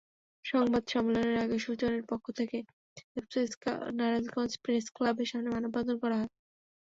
সংবাদ সম্মেলনের আগে সুজনের পক্ষ থেকে নারায়ণগঞ্জ প্রেসক্লাবের সামনে মানববন্ধন করা হয়।